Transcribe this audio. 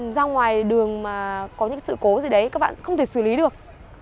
ra ngoài đường mà có những sự cố gì đấy các bạn không thể xử lý được